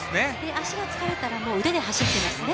足が疲れたら腕で走ってますね。